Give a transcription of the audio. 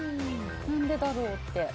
何でだろうって。